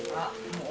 もう！